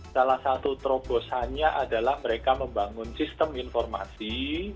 salah satu terobosannya adalah mereka membangun sistem informasi